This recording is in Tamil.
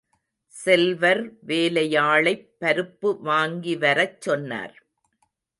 செல்வர் வேலையாளைப் பருப்பு வாங்கி வரச் சொன்னார்.